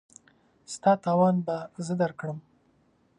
ستا تاوان به زه درکړم.